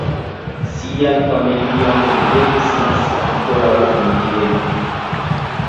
Sian familion li devis lasi ankoraŭ en Vieno.